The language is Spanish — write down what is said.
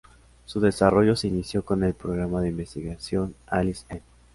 Su desarrollo se inició con el programa de investigación Aliz-E